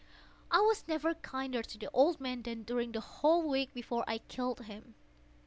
I was never kinder to the old man than during the whole week before I killed him.